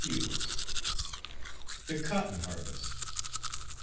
Page 31 THE COTTON HARVEST.